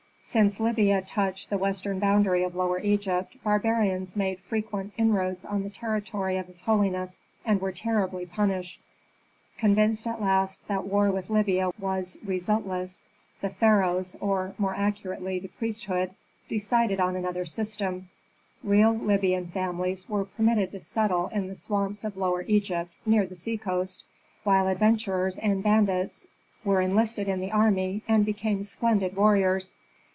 Since Libya touched the western boundary of Lower Egypt, barbarians made frequent inroads on the territory of his holiness, and were terribly punished. Convinced at last that war with Libyans was resultless, the pharaohs, or, more accurately, the priesthood, decided on another system: real Libyan families were permitted to settle in the swamps of Lower Egypt, near the seacoast, while adventurers and bandits were enlisted in the army, and became splendid warriors.